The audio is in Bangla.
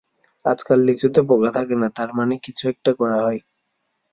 আজকাল লিচুতে পোকা থাকে না, তার মানে কিছু একটা করা হয়।